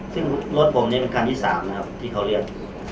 ซึ่งรถผมนี่เป็นคันที่๓นะครับที่เขาเรียก